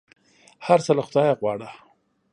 هر څه له خدایه غواړه !